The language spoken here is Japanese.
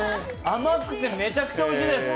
甘くて、めちゃくちゃおいしいです。